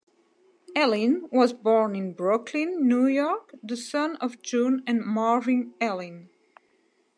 Ellin was born in Brooklyn, New York, the son of June and Marvin Ellin.